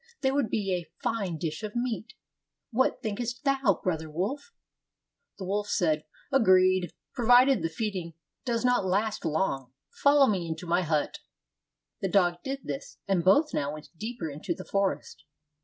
There would be a fine dish of meat. What thinkest thou, brother wolf?" The wolf said, "Agreed, provided the feeding does not last long; follow me into my hut." The dog did this, and both now went deeper into the forest.